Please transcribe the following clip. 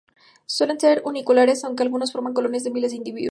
Suelen ser unicelulares, aunque algunos forman colonias de miles de individuos.